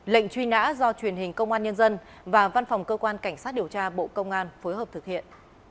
lệnh truy nã do truyền hình công an nhân dân và văn phòng cơ quan cảnh sát điều tra bộ công an phối hợp thực hiện